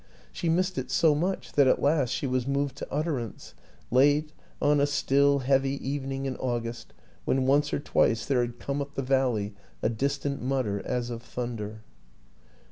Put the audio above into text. She missed it so much that at last she was moved to utterance late on a still, 52 WILLIAM AN ENGLISHMAN heavy evening in August, when once or twice there had come up the valley a distant mutter as of thunder.